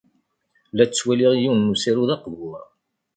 La ttwaliɣ yiwen n usaru d aqbur.